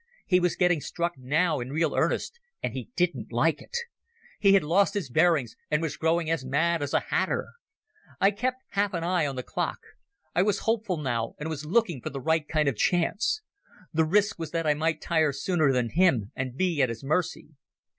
He was getting struck now in real earnest, and he didn't like it. He had lost his bearings and was growing as mad as a hatter. I kept half an eye on the clock. I was hopeful now, and was looking for the right kind of chance. The risk was that I might tire sooner than him and be at his mercy.